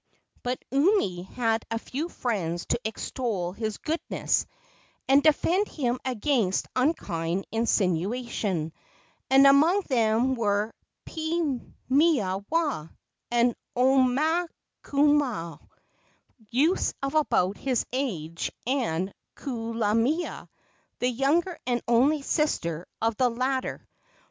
But Umi had a few friends to extol his goodness and defend him against unkind insinuation, and among them were Piimaiwaa and Omaukamau, youths of about his own age, and Kulamea, the younger and only sister of the latter.